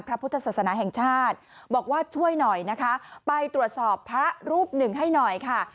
พระพุทธศาสนาแห่งชาติบอกว่าช่วยหน่อยนะคะไปตรวจสอบพระรูปหนึ่งให้หน่อยค่ะ